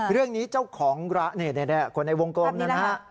เรื่องนี้เจ้าของร้านคนในวงกลมเนี่ยนะฮะ